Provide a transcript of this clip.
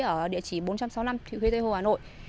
ở địa chỉ bốn trăm sáu mươi năm thị huy tây hồ hà nội